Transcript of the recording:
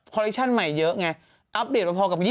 แปรชั่นใหม่เยอะไง